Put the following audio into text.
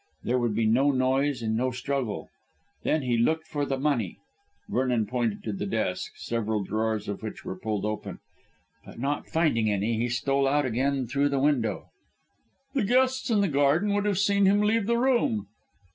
There would be no noise and no struggle. Then he looked for the money" Vernon pointed to the desk, several drawers of which were pulled open "but not finding any he stole out again through the window." "The guests in the garden would have seen him leave the room."